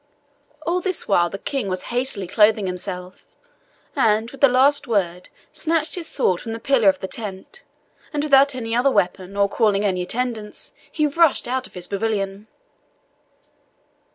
All this while the King was hastily clothing himself, and, with the last word, snatched his sword from the pillar of the tent, and without any other weapon, or calling any attendance, he rushed out of his pavilion.